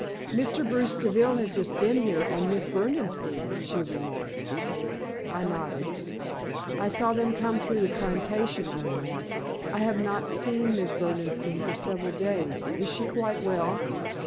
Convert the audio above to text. "Mr. Bruce Deville has just been here, and Miss Berdenstein," she remarked. I nodded. "I saw them come through the plantation," I remarked. "I have not seen Miss Berdenstein for several days. Is she quite well?"